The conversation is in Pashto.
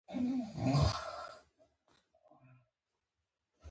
حق متعال پر هغوی باندي یوازي لعنت ویلی.